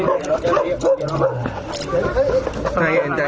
ครูกัดสบัติคร้าว